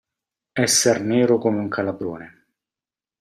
Esser nero come un calabrone.